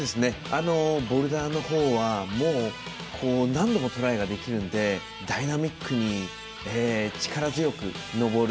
ボルダーの方はもう何度もトライができるのでダイナミックに、力強く登る。